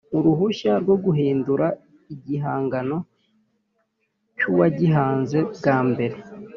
Uruhushya rwo guhindura igihangano cyuwagihanze bwa mbere